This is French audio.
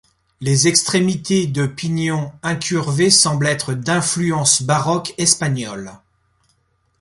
Les extrémités de pignon incurvées semblent être d'influence baroque espagnole.